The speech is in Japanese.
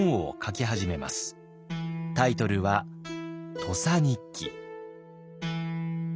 タイトルは「土佐日記」。